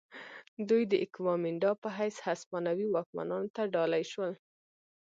دوی د ایکومینډا په حیث هسپانوي واکمنانو ته ډالۍ شول.